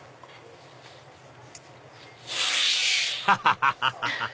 ハハハハ！